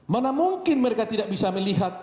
mana mungkin mereka tidak bisa melihat